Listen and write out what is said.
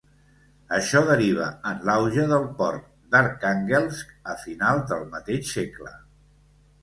Això derivar en l'auge del port d'Arkhànguelsk a finals del mateix segle.